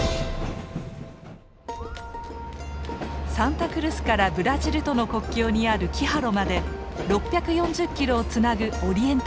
サンタクルスからブラジルとの国境にあるキハロまで６４０キロをつなぐオリエンタル鉄道。